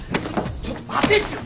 ちょっと待てちよ！